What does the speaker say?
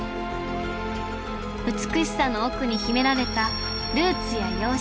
美しさの奥に秘められたルーツや様式。